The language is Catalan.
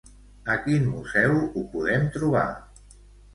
A quin museu ho podem trobar?